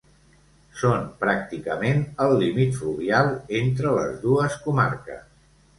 Són pràcticament el límit fluvial entre les dues comarques.